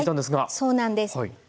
そうなんです。